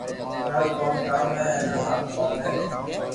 ٿارو ڪوم ڪاو ھي ايئي مارو ڪوم ھي